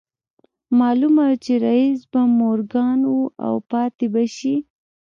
معلومه وه چې رييس به مورګان و او پاتې به شي